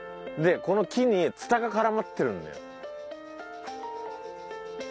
でこの木にツタが絡まってるんだよ。